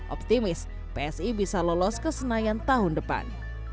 optimis psi bisa lolos ke senayan tahun depan